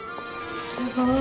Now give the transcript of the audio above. すごい。